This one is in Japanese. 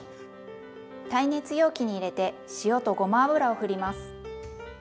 耐熱容器に入れて塩とごま油をふります。